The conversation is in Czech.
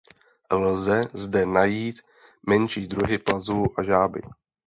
Lze zde najít menší druhy plazů a žáby.